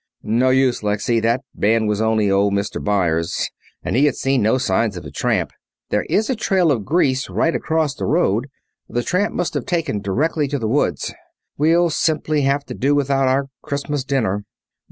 "No use, Lexy. That man was only old Mr. Byers, and he had seen no signs of a tramp. There is a trail of grease right across the road. The tramp must have taken directly to the woods. We'll simply have to do without our Christmas dinner."